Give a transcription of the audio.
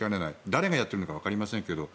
誰がやっているのかわかりませんけど。